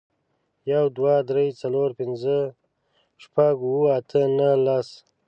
يو، دوه، درې، څلور، پينځه، شپږ، اووه، اته، نهه، لس